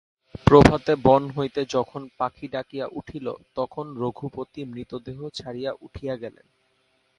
প্রভাতে বন হইতে যখন পাখি ডাকিয়া উঠিল, তখন রঘুপতি মৃতদেহ ছাড়িয়া উঠিয়া গেলেন।